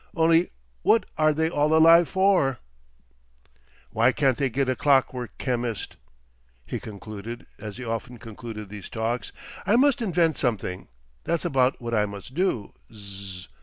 Only what are they all alive for?... "Why can't they get a clockwork chemist?" He concluded as he often concluded these talks. "I must invent something,—that's about what I must do. Zzzz.